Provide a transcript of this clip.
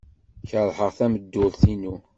Keṛheɣ tameddurt-inu.